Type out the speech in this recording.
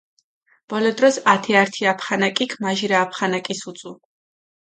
ბოლო დროს ათე ართი აფხანაკიქ მაჟირა აფხანაკის უწუუ.